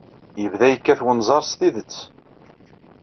Yebda yekkat wenẓar s tidet.